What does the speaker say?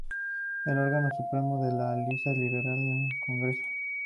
El órgano supremo de la Alianza Liberal es el Congreso.